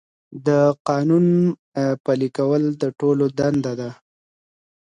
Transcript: د قانون پلي کول د ټولو دنده ده.